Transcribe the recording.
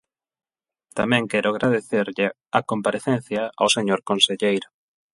Tamén quero agradecerlle a comparecencia ao señor conselleiro.